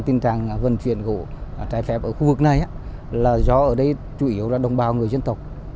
tình trạng vận chuyển gỗ trái phép ở khu vực này là do ở đây chủ yếu là đồng bào người dân tộc